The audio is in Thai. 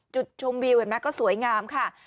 จุดชมวิวเห็นไหมก็สวยงามค่ะ